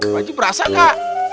pak ji berasa kak